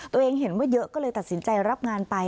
ตัวเองเห็นว่าเยอะก็เลยตัดสินใจรับงานไป